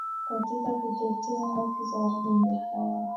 katika kutetea haki za wabunge hao